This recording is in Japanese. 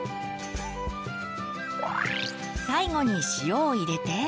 最後に塩を入れて。